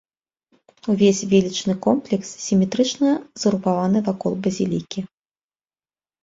Увесь велічны комплекс сіметрычна згрупаваны вакол базілікі.